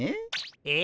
えっ？